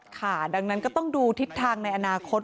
ค่ะดังนั้นก็ต้องดูทิศทางในอนาคต